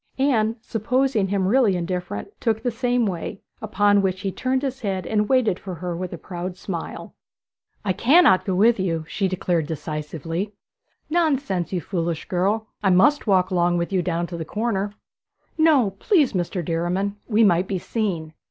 Anne, supposing him really indifferent, took the same way, upon which he turned his head and waited for her with a proud smile. 'I cannot go with you,' she said decisively. 'Nonsense, you foolish girl! I must walk along with you down to the corner.' 'No, please, Mr. Derriman; we might be seen.'